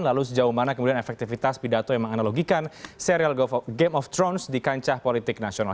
lalu sejauh mana kemudian efektivitas pidato yang menganalogikan serial game of thrones di kancah politik nasional